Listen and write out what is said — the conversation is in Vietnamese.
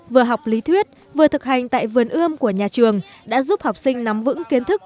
vừa học lý thuyết vừa thực hành tại vườn ươm của nhà trường đã giúp học sinh nắm vững kiến thức